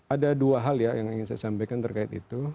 ada dua hal ya yang ingin saya sampaikan terkait itu